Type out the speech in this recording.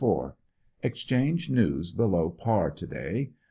— Exchange news below par to day.